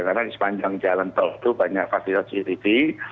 karena di sepanjang jalan tol itu banyak fasilitas cctv